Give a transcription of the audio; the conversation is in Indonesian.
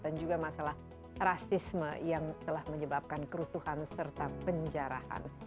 dan juga masalah rasisme yang telah menyebabkan kerusuhan serta penjarahan